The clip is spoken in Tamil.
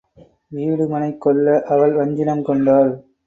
வீடு மனைக் கொல்ல அவள் வஞ்சினம் கொண்டாள்.